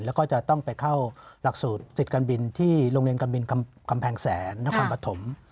แล้วก็จะต้องไปเข้าหลักสูตรสิทธิ์การบินที่โรงเรียนการบินกำแพงแสนนครปฐม